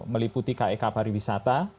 meliputi kek pariwisata